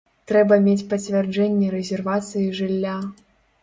Трэба мець пацвярджэнне рэзервацыі жылля.